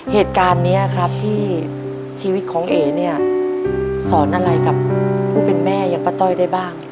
เหตุการณ์นี้ครับที่ชีวิตของเอ๋เนี่ยสอนอะไรกับผู้เป็นแม่อย่างป้าต้อยได้บ้าง